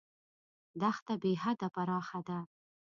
دښته بېحده پراخه ده.